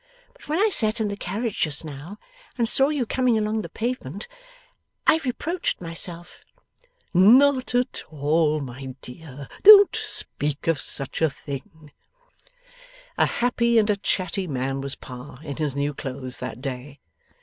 But when I sat in the carriage just now and saw you coming along the pavement, I reproached myself.' 'Not at all, my dear. Don't speak of such a thing.' A happy and a chatty man was Pa in his new clothes that day.